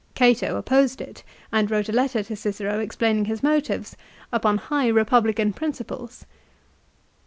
Cato opposed it, and wrote a letter to Cicero ex plaining his motives, upon high, republican principles.